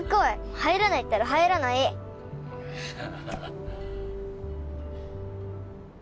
入らないったら入らない！ハハハ。